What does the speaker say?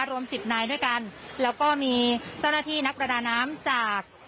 รวมสิบนายด้วยกันแล้วก็มีเจ้าหน้าที่นักประดาน้ำจาก